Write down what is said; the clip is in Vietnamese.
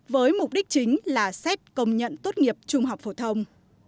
với mục đích chính là xét công nhận tốt nghiệp trung học phổ thông